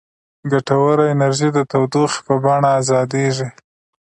ګټوره انرژي د تودوخې په بڼه ازادیږي.